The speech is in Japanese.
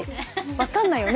分かんないよね。